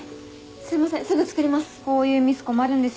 すいませんすぐ作ります。